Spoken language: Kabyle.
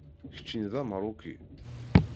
Keččini d Ameṛṛuki.